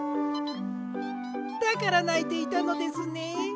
だからないていたのですね。